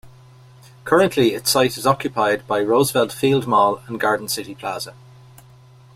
Currently its site is occupied by Roosevelt Field Mall and Garden City Plaza.